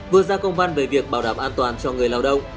vừa ra công văn về việc bảo đảm an toàn cho người lao động